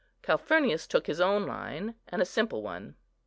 Calphurnius took his own line, and a simple one.